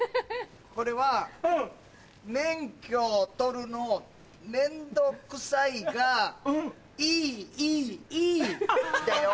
これは「免許取るの面倒くさいがイイイ」だよ。